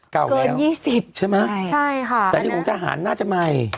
เกิน๒๐ใช่ไหมใช่ค่ะแต่นี่คุณเขาจะหานาวจะใหม่